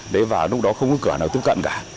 đấy và lúc đó không có cửa nào tiếp cận cả